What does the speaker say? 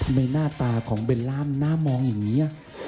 หน้าตาของเบลล่ามน่ามองอย่างนี้